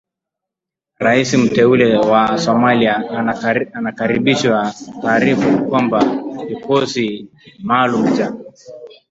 Raisi mteule wa Somalia anakaribisha taarifa kwamba kikosi maalum cha